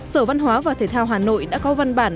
sở văn hóa và thể thao hà nội đã có văn bản